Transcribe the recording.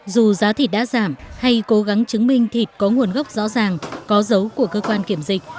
dù giá thịt đã giảm hay cố gắng chứng minh thịt có nguồn gốc rõ ràng có dấu của cơ quan kiểm dịch